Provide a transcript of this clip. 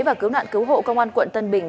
và cứu nạn cứu hộ công an quận tân bình